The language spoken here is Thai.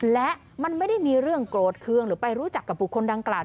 และมันไม่ได้มีเรื่องโกรธเครื่องหรือไปรู้จักกับบุคคลดังกล่าว